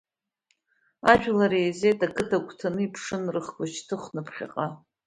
Ажәлар еизеит ақыҭа агәҭаны, иԥшын, рыхқәа шьҭыхны, ԥхьаҟа.